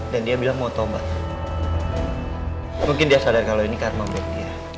dan dia bilang mau tobat mungkin dia sadar kalau ini karma buat dia